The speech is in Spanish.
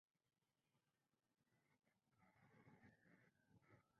Realizó cursos de Cine y Periodismo de Investigación.